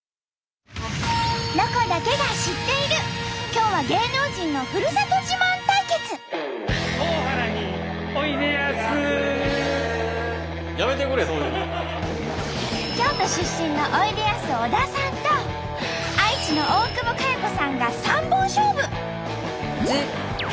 今日は京都出身のおいでやす小田さんと愛知の大久保佳代子さんが三本勝負！